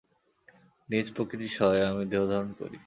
নিজ প্রকৃতি-সহায়ে আমি দেহধারণ করি।